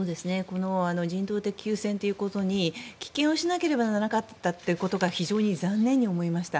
人道的休戦ということに棄権をしなければならなかったことが非常に残念に思いました。